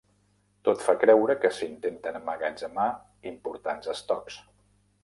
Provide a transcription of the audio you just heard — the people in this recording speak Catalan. Tot fa creure que s'intenten emmagatzemar importants estocs.